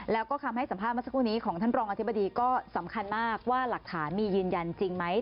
แล้วก็คำให้สัมภาษณ์เมื่อสักครู่นี้ของท่านรองอธิบดีก็สำคัญมากว่าหลักฐานมียืนยันจริงไหม